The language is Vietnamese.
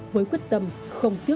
với quyết tâm không tiếc tâm lý